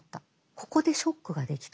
ここでショックができた。